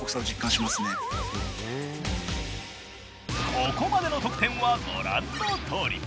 ここまでの得点はご覧のとおり。